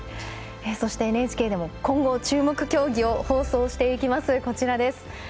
そしてＮＨＫでも今後、注目競技を放送していきます。